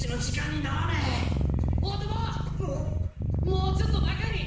もうちょっと中に！